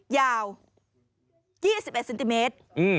ยาว๒๑เซนติเมตร